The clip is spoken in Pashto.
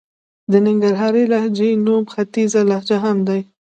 د ننګرهارۍ لهجې نوم ختيځه لهجه هم دئ.